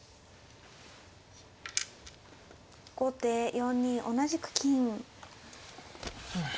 後手４二同じく金。